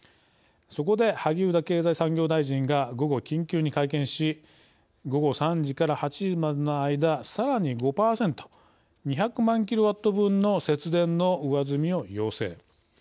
そこで萩生田経済産業大臣が午後、緊急に会見し午後３時から８時までの間さらに５％２００万キロワット分の節電の上積みを要請。